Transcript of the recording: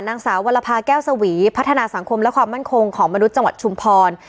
นางสาววรภาแก้วสวีพัฒนาสังคมและความมั่นคงของมนุษย์จังหวัดชุมพร